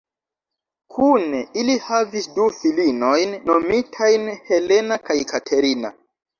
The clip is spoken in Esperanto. Kune ili havis du filinojn nomitajn Helena kaj Katerina.